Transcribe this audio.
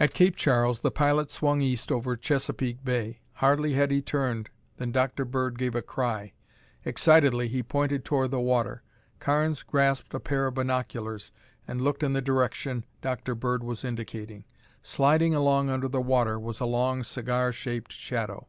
At Cape Charles the pilot swung east over Chesapeake Bay. Hardly had he turned than Dr. Bird gave a cry. Excitedly he pointed toward the water. Carnes grasped a pair of binoculars and looked in the direction Dr. Bird was indicating. Sliding along under the water was a long cigar shaped shadow.